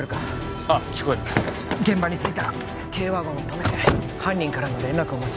ああ聞こえる現場に着いたら軽ワゴンを止めて犯人からの連絡を待つ